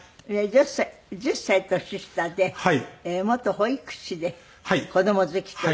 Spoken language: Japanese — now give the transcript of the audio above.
１０歳年下で元保育士で子ども好きという。